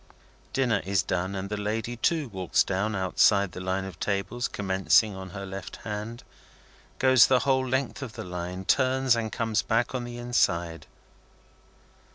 Dinner is done, and the lady, too, walks down outside the line of tables commencing on her left hand, goes the whole length of the line, turns, and comes back on the inside.